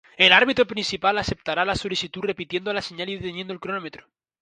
El árbitro principal aceptará la solicitud repitiendo la señal y deteniendo el cronómetro.